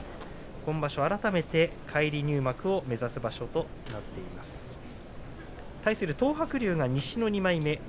今場所改めて返り入幕を目指す場所になっている英乃海です。